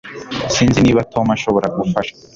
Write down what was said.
Sinzi niba Tom ashobora gufasha